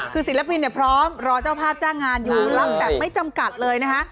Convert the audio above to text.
คือศิลปินเนี่ยพร้อมรอเจ้าภาพจ้างงานอยู่รับแบบไม่จำกัดเลยนะคะ